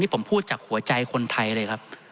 ผมพูดจากหัวใจคนไทยเลยครับ